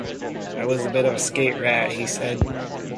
"I was a bit of a skate rat," he said.